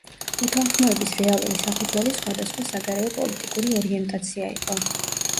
უთანხმოების რეალური საფუძველი სხვადასხვა საგარეო პოლიტიკური ორიენტაცია იყო.